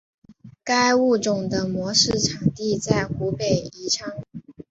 该物种的模式产地在湖北宜昌。